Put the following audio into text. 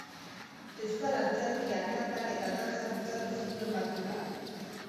Euskal antzerkia, kantak eta dantzak bultzatu zituen, batik bat.